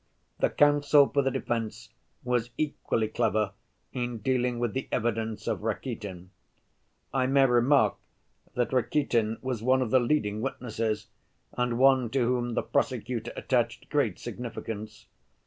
The counsel for the defense was equally clever in dealing with the evidence of Rakitin. I may remark that Rakitin was one of the leading witnesses and one to whom the prosecutor attached great significance.